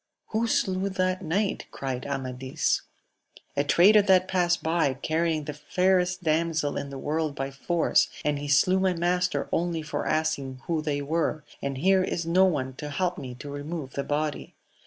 Who slew that knight ? cried Amadis. A traitor that passed by, cairying the fairest damsel in the world by force, and he slew my master only fot asJdng who they were, and keie \a uo ou'^ \a\v^ ^ew* 194 AMADIS OF GAUL. to remove the body.